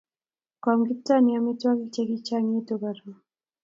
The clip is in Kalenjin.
Koam Kiptanui amitwogik chekigagitukchi karon.